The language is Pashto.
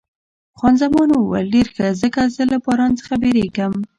خان زمان وویل، ډېر ښه، ځکه زه له باران څخه بیریږم.